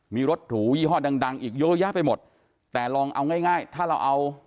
มีรถหรูยี่ห้อดังดังอีกเยอะแยะไปหมดแต่ลองเอาง่ายง่ายถ้าเราเอา